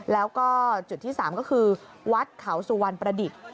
แล้วก็จุดที่๓ก็คือวัดเขาสุวรรณประดิษฐ์